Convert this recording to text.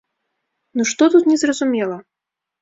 Ну што тут незразумела!